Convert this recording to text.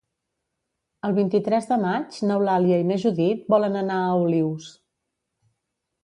El vint-i-tres de maig n'Eulàlia i na Judit volen anar a Olius.